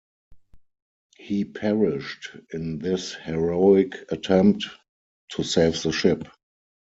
He perished in this heroic attempt to save the ship.